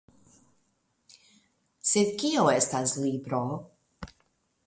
Jes, sed kio estas libro?